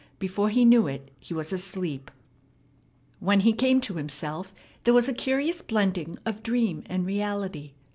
Before he knew it he was asleep. When he came to himself, there was a curious blending of dream and reality.